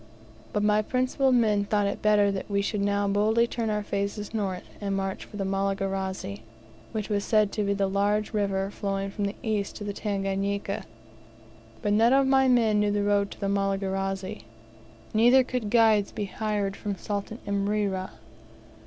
But my principal men thought it better that we should now boldly turn our faces north, and march for the Malagarazi, which was said to be a large river flowing from the east to the Tanganika. But none of my men knew the road to the Malagarazi, neither could guides be hired from Sultan Imrera.